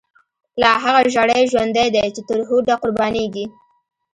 لا هغه ژڼۍ ژوندۍ دی، چی تر هوډه قربانیږی